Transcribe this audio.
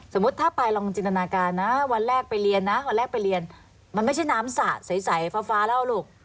สมมุติถ้าไปลองจินตนาการนะวันแรกไปเรียนนะวันแรกไปเรียนมันไม่ใช่น้ำสระใสฟ้าแล้วลูก